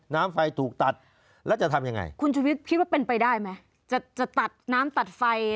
น้ำไฟถูกตัด